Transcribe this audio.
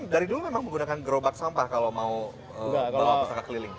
dari dulu memang menggunakan gerobak sampah kalau mau bawa pustaka keliling